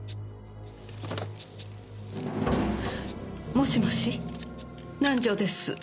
もしもし南条です。